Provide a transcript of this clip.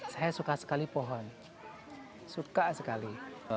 saya suka sekali pohon suka sekali